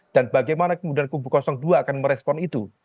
dan bagaimana kemudian kubu kosong dua akan merespon itu